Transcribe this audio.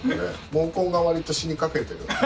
毛根が割と死にかけてるんで。